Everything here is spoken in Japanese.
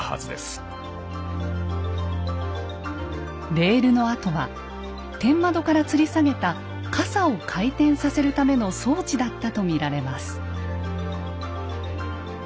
レールの跡は天窓からつり下げたカサを回転させるための装置だったと見られます。